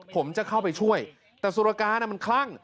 ผมจะเข้าไปช่วยแต่สุรการมันคลั่ง